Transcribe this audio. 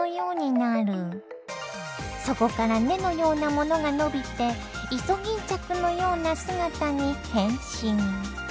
そこから根のようなものが伸びてイソギンチャクのような姿に変身。